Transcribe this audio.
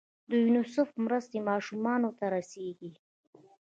د یونیسف مرستې ماشومانو ته رسیږي؟